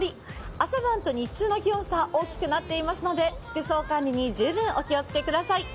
朝晩と日中の気温差、大きくなっていますので、服装管理に十分お気をつけください。